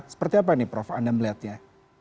seperti apa nih prof anda melihatnya